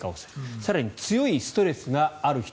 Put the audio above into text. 更に、強いストレスがある人